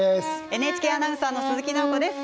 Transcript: ＮＨＫアナウンサーの鈴木奈穂子です。